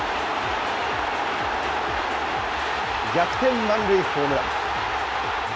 逆転満塁ホームラン。